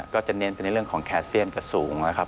ก็จะเน้นไปในเรื่องของแคเซียนจะสูงนะครับ